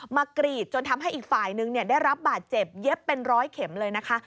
กรีดจนทำให้อีกฝ่ายนึงได้รับบาดเจ็บเย็บเป็นร้อยเข็มเลยนะคะ